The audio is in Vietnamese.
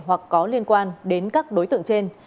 hoặc có liên quan đến các đối tượng trên